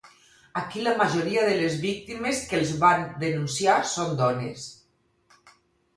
Aquí la majoria de les víctimes que els van denunciar són dones.